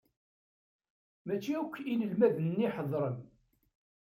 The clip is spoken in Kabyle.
Maci akk inelmaden-nni ḥedṛen.